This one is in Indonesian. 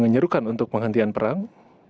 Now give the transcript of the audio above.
mengerjukan untuk penghentian perang